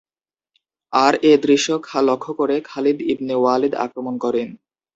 আর এ দৃশ্য লক্ষ্য করে খালিদ ইবনে ওয়ালিদ আক্রমণ করে।